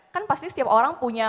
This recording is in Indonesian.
kan pasti setiap orang punya